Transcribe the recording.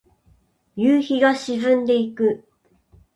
夕日が沈んでいく。